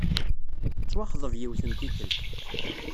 Tettwaxḍeb yiwet n tikkelt.